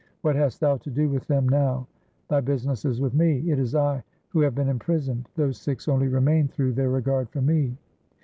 What hast thou to do with them now ? Thy business is with me. It is I who have been imprisoned. Those Sikhs only remained through their regard for me.'